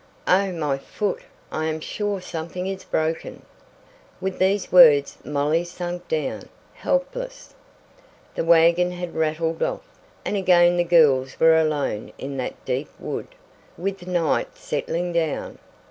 "Oh, my foot! I am sure something is broken!" With these words Molly sank down, helpless. The wagon had rattled off, and again the girls were alone in that deep wood, with night settling down.